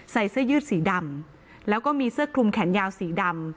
เสื้อยืดสีดำแล้วก็มีเสื้อคลุมแขนยาวสีดำ